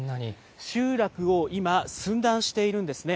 集落を今、寸断しているんですね。